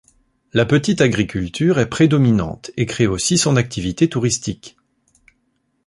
La petite agriculture est prédominante et crée aussi son activité touristique.